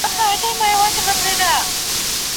د دين نه منل نکاح فاسدوي.